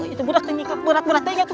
itu berat berat berat berat berat berat